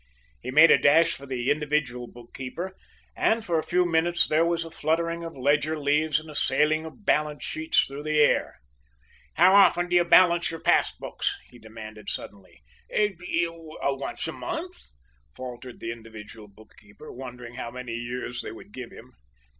He made a dash for the individual bookkeeper, and, for a few minutes there was a fluttering of ledger leaves and a sailing of balance sheets through the air. "How often do you balance your pass books?" he demanded, suddenly. "Er once a month," faltered the individual bookkeeper, wondering how many years they would give him.